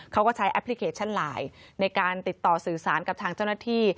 เขาก็ใช้แอปพลิเคชันไลน์ในการติดต่อสื่อสารกับทางเจ้าหน้าที่